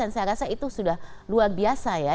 saya rasa itu sudah luar biasa ya